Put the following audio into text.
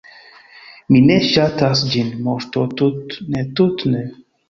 “Mi ne ŝatas ĝin, Moŝto, tut’ ne, tut’ ne!”